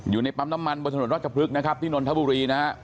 อยู่ในปั๊มน้ำมันบนถนนราชพฤกษ์นะครับที่นนทบุรีนะฮะ